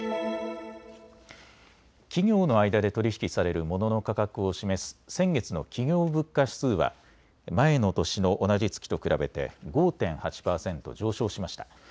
企業の間で取り引きされるモノの価格を示す先月の企業物価指数は前の年の同じ月と比べて５．８％上昇しました。